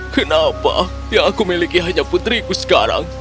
kenapa yang aku miliki hanya putriku sekarang